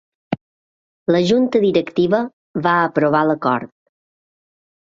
La junta directiva va aprovar l’acord.